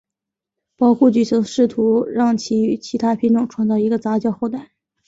保护局曾试图让其与其它品种创造一个杂交后代。